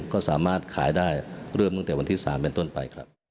ก็สามารถขายได้เริ่มตั้งแต่วันที่๓เป็นต้นไปครับ